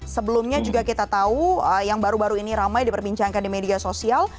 sebelumnya juga kita tahu yang baru baru ini ramai diperbincangkan di media sosial